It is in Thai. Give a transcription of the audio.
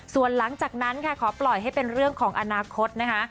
ส่วนหลังจากนั้นค่ะขอปล่อยให้เป็นเรื่องของอนาคตนะคะ